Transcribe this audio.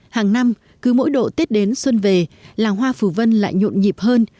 hàng năm cứ mỗi độ tết đến xuân về làng hoa phù vân lại nhộn nhịp hơn